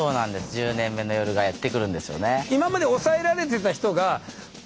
「１０年目の夜」がやって来るんですよね。